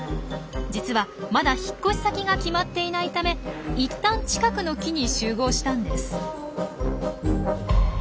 実はまだ引っ越し先が決まっていないため一旦近くの木に集合したんです。